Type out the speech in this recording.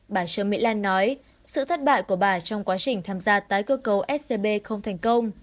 bà trương mỹ lan nói sự thất bại của bà trong quá trình tham gia tái cơ cấu scb không thành công